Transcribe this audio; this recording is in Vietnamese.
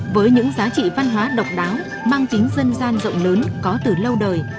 với những giá trị văn hóa độc đáo mang tính dân gian rộng lớn có từ lâu đời